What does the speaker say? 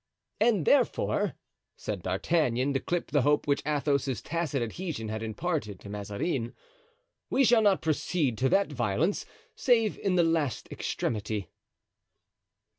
"And therefore," said D'Artagnan, to clip the hope which Athos's tacit adhesion had imparted to Mazarin, "we shall not proceed to that violence save in the last extremity."